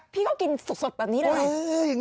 พี่ก็กินสดตอนนี้เลย